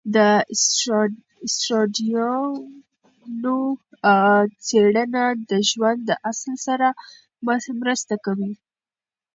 د اسټروېډونو څېړنه د ژوند د اصل سره مرسته کوي.